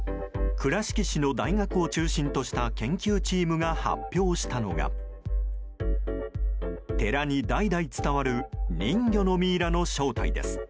倉敷市の大学を中心とした研究チームが発表したのが寺に代々伝わる人魚のミイラの正体です。